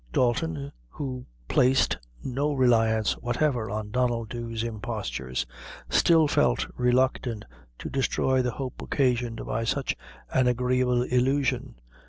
Dalton, who placed no reliance whatever on Donnel Dhu's impostures, still felt reluctant to destroy the hope occasioned by such an agreeable illusion.